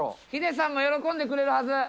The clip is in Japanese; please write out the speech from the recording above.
ヒデさんも喜んでくれるはず。